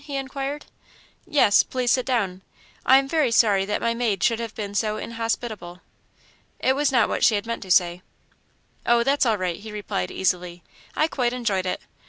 he inquired. "Yes please sit down. I am very sorry that my maid should have been so inhospitable." It was not what she had meant to say. "Oh, that's all right," he replied, easily; "I quite enjoyed it.